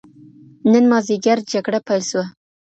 نن ماځیګر جګړه پيل سوه.